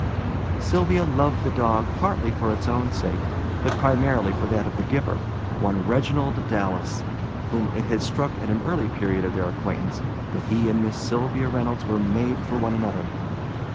Sylvia loved the dog partly for its own sake, but principally for that of the giver, one Reginald Dallas, whom it had struck at an early period of their acquaintance that he and Miss Sylvia Reynolds were made for one another.